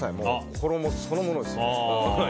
衣そのものですよね。